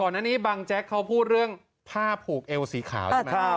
อันนี้บังแจ๊กเขาพูดเรื่องผ้าผูกเอวสีขาวใช่ไหม